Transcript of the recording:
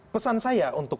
pesan saya untuk